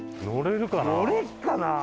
乗れるかな？